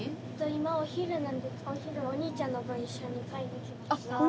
今お昼なんでお昼お兄ちゃんの分一緒に買いに来ました。